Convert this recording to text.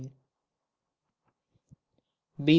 B.